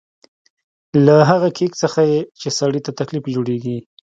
له هغه کېک څخه چې سړي ته تکلیف جوړېږي.